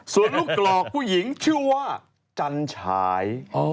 ส่วนลูกกรอกผู้หญิงชื่อว่าจันฉาย